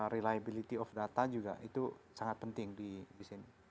reliability of data juga itu sangat penting di sini